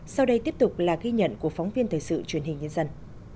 sau đây tiếp tục là ghi nhận của phóng viên thời sự truyền hình nhân dân